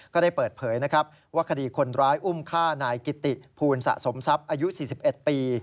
ก็ได้เปิดเผยนะครับว่าคดีคนร้ายอุ้มฆ่านายกิติภูลสะสมทรัพย์อายุ๔๑ปี